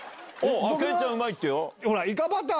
健ちゃんうまいってよ。